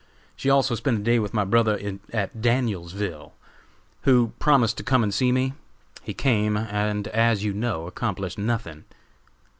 She also spent a day with my brother at Danielsville, who promised to come and see me. He came, and, as you know, accomplished nothing.